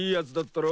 たろ。